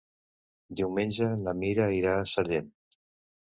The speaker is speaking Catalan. Diumenge na Mira irà a Sellent.